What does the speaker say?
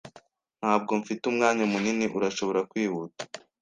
Ntabwo mfite umwanya munini. Urashobora kwihuta?